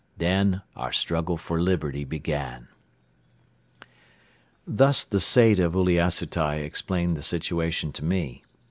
Then our struggle for liberty began." Thus the Sait of Uliassutai explained the situation to me.